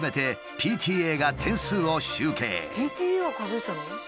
ＰＴＡが数えてたの？